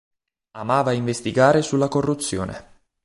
Amava investigare sulla corruzione.